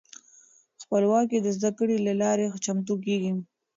خپلواکې د زده کړې له لارې چمتو کیږي.